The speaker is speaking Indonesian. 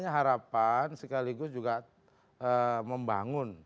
harapan sekaligus juga membangun